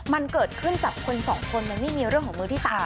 มันเกิดขึ้นกับคนสองคนมันไม่มีเรื่องของมือที่ตาม